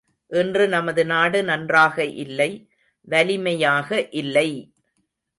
இன்று நமது நாடு நன்றாக இல்லை வலிமையாக இல்லை!